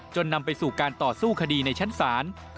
นำไปสู่การต่อสู้คดีในชั้นศาล